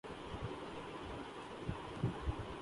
ئمہ بیگ کو تبدیلی مہنگی پڑ گئی